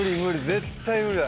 絶対無理だ。